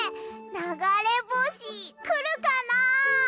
ながれぼしくるかなあ？